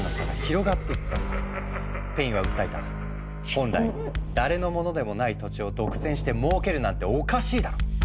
「本来誰のものでもない土地を独占して儲けるなんておかしいだろ！」。